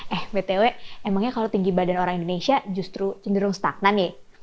eh btw emangnya kalau tinggi badan orang indonesia justru cenderung stagnan nih